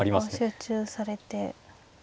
集中されて。